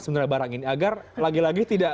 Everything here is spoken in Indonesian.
sebenarnya barang ini agar lagi lagi tidak